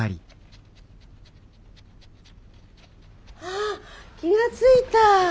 あっ気が付いた！